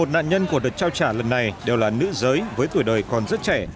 một nạn nhân của đợt trao trả lần này đều là nữ giới với tuổi đời còn rất trẻ